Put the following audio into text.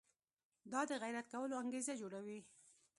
دا د غیرت کولو انګېزه جوړوي.